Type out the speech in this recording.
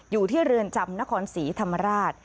อยู่ที่เรือนจำนครศรีธรรมราช